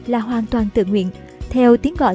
là hoàn toàn tự nguyện theo tiếng gọi